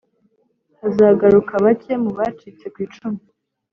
hazagaruka bake mu bacitse ku icumu,